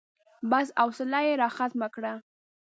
بس، حوصله يې راختمه کړه.